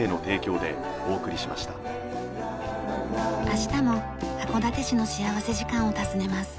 明日も函館市の幸福時間を訪ねます。